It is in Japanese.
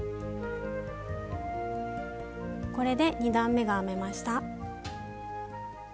これで２段めが編めました。